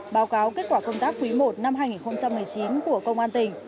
báo cáo kết quả công tác quý i năm hai nghìn một mươi chín của công an tỉnh